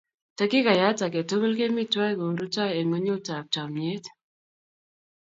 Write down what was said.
Takikayat ake tukul kemi twai koi rutoi eng' ng'onyut ap chomyet.